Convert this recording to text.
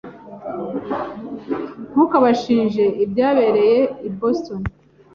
Ntukabashinje ibyabereye i Boston.